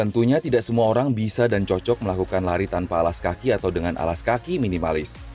tidak akan lari tanpa alas kaki atau dengan alas kaki minimalis